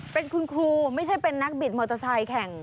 เป็นคุณครูไม่ใช่เป็นนักบิดมอเตอร์ไซค์แข่ง